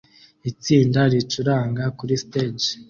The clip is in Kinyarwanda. Itsinda ricuranga kuri stage